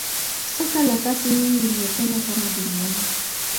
soka la pasi nyingi linapendwa sana duniani